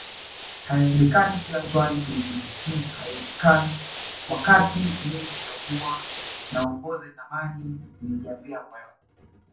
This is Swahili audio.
Haiwezekani kila swali silijui mmh haiwezekani wakatii Mimi ndio huwa naongoza jamani nilijiambia moyoni